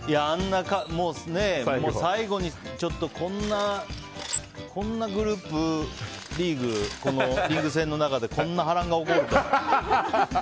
もう、最後にこんなグループリーグリーグ戦の中でこんな波乱が起きるとは。